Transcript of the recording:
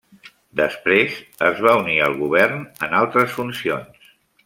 Després, es va unir al govern en altres funcions.